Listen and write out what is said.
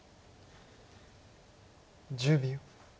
１０秒。